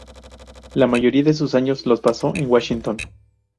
La mayoría de sus años los pasó en Washington.